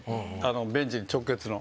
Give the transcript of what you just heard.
ベンチに直結の。